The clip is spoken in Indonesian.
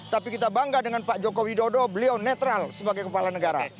tapi kita bangga dengan pak joko widodo beliau netral sebagai kepala negara